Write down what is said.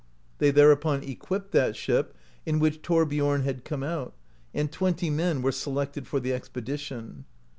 They thereupon equipped that ship in which Thorbiom had come out, and twenty men were selected for the expedition.